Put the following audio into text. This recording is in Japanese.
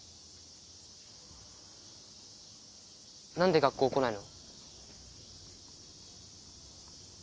なんで学校来ないの？